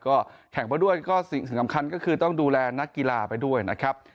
ก็แข่งไปด้วยก็สิ่งสำคัญก็คือต้องดูแลนักกีฬาไปด้วยนะครับ